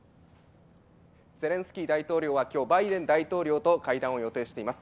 ゼレンスキー大統領はきょう、バイデン大統領と会談を予定しています。